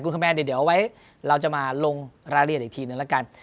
คุณคะแมนเดี๋ยวเอาไว้เราจะมาลงรายละเอียดอีกทีนึงละกัน